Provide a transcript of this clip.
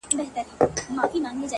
خیال دي،